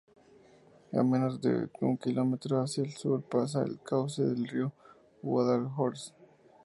A menos de un kilómetros hacia el sur pasa el cauce del río Guadalhorce.